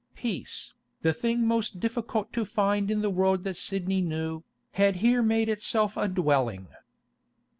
Peace, the thing most difficult to find in the world that Sidney knew, had here made itself a dwelling.